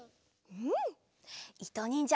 うん！